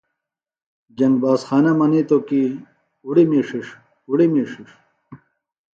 جنگ باز خانہ منِیتوۡ ہِنوۡ کیۡ اُڑیۡ می ݜݜ، اُڑیۡ می ݜݜ